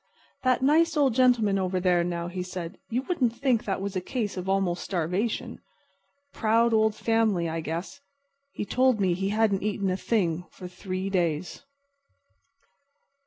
"That nice old gentleman over there, now," he said, "you wouldn't think that was a case of almost starvation. Proud old family, I guess. He told me he hadn't eaten a thing for three days."